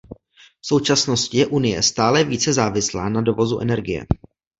V současnosti je Unie stále více závislá na dovozu energie.